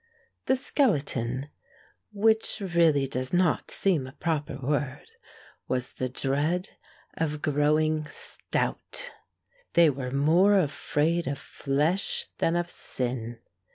The skeleton which really does not seem a proper word was the dread of growing stout. They were more afraid of flesh than of sin.